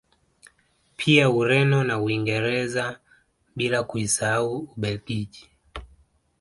Pia Ureno na Uingereza bila kuisahau Ubelgiji